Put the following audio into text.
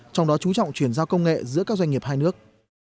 trong đó chú trọng chuyển giao công nghệ giữa các doanh nghiệp hai nước